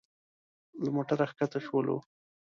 له موټره ښکته شولو.